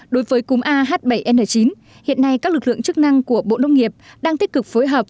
đối với cúm ah bảy n chín hiện nay các lực lượng chức năng của bộ nông nghiệp đang tích cực phối hợp